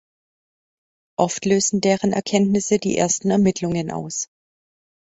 Oft lösen deren Erkenntnisse die ersten Ermittlungen aus.